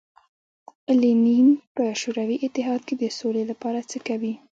لینین په شوروي اتحاد کې د سولې لپاره څه کوي.